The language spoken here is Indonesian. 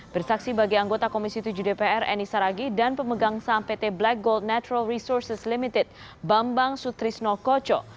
bersaksi bagi anggota komisi tujuh dpr eni saragi dan pemegang saham pt black gold natural resources limited bambang sutrisno koco